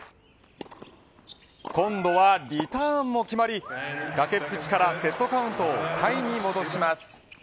今度はリターンも決まり崖っぷちからセットカウントをタイに戻します。